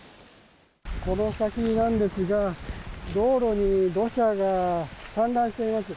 この先なんですが道路に土砂が散乱しています。